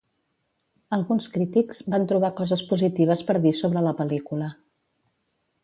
Alguns crítics van trobar coses positives per dir sobre la pel·lícula.